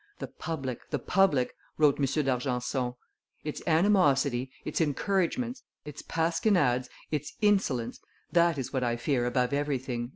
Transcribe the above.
"The public, the public!" wrote M. d'Argenson; "its animosity, its encouragements, its pasquinades, its insolence that is what I fear above everything."